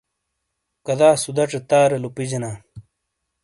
کَدا سُداچے تارے لُوپیجینا۔